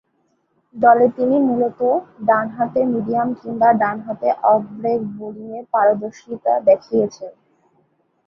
দলে তিনি মূলতঃ ডানহাতে মিডিয়াম কিংবা ডানহাতে অফ ব্রেক বোলিংয়ে পারদর্শীতা দেখিয়েছেন।